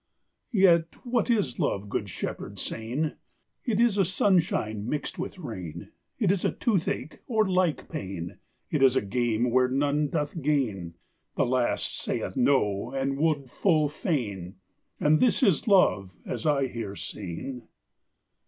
"Yet, what is love? good shepherd, saine!" It is a sunshine mix'd with rain; It is a toothache, or like pain; It is a game where none doth gain: The lass saith No, and would full fain! And this is love, as I hear saine.